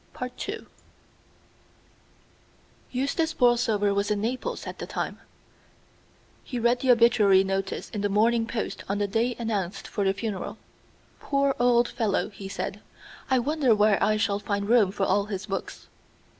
II Eustace Borlsover was in Naples at the time. He read the obituary notice in the Morning Post on the day announced for the funeral. "Poor old fellow!" he said. "I wonder where I shall find room for all his books."